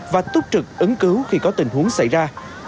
và túc trực ứng cứu khi có tình huống xảy ra